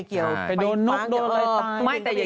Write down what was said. ไปโดนนุ๊กโดนอะไรตาย